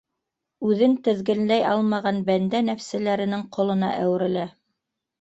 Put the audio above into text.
Үҙен теҙгенләй алмаған бәндә нәфселәренең ҡолона әүерелә.